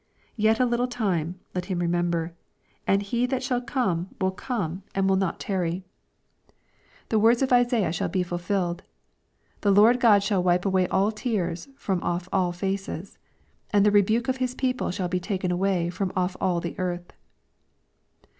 " Yet a little time," let him remember, " and he that shall come will come and will not LUKE, CHAP. XXI. 377 tirry." The words of Isaiah shall be lulfilled, " The Lord God shall wipe away tears from off all faces ; and the rebuke of his people shall be taken away from off all the earth.''